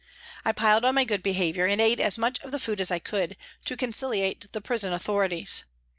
I piled on my good behaviour and ate as much food as I could, to conciliate the prison authorities.